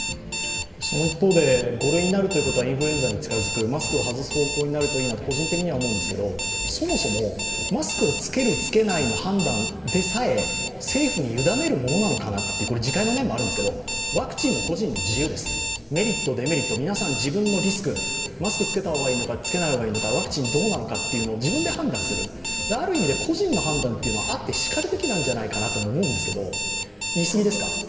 その一方で、５類になるというのは、インフルエンザに近づく、マスクを外すというのは個人的には思うんですが、そもそもマスクを着ける着けないの判断さえ政府に委ねるものなのかなと自戒の念もあるんですけれども、ワクチンも個人の自由です、メリット・デメリット、皆さん自分のリスク、マスク着けた方がいいのか、つけない方がいいのか、ワクチンした方がいいのかどうか自分で判断する、ある意味で個人の判断はあってしかるべきじゃないかと思うんですけど言いすぎですか？